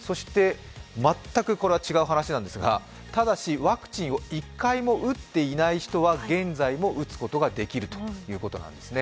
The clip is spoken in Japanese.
全くこれは違う話なんですがワクチンを１回も打ったことがない人は現在も打つことができるということなんですね。